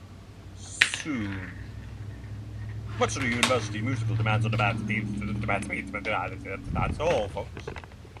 Soon, much of the University's musical demands depended upon the Glee Club.